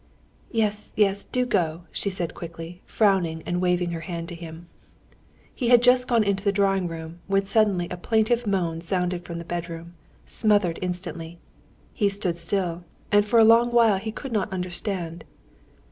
"Yes, yes. Do go," she said quickly, frowning and waving her hand to him. He had just gone into the drawing room, when suddenly a plaintive moan sounded from the bedroom, smothered instantly. He stood still, and for a long while he could not understand.